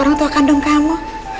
orang tua kandung kamu